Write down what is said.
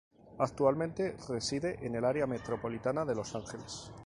Actualmente, reside en el área metropolitana de Los Ángeles.